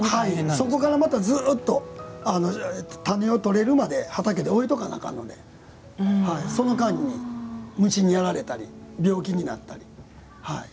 そこからまたずっと種を取れるまで畑で置いておかんといかんのでその間に虫にやられたり、病気になったり。